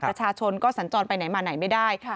ประชาชนก็สัญจรไปไหนมาไหนไม่ได้